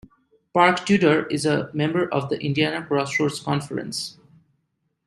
Park Tudor is a member of the Indiana Crossroads Conference.